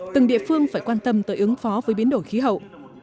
từng địa phương phải quan tâm tới ứng phó với biến đổi khí hậu